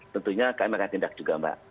tentunya kami akan tindak juga mbak